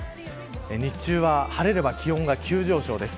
日中は、晴れれば気温が急上昇です。